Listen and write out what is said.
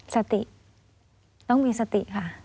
สติต้องมีสติ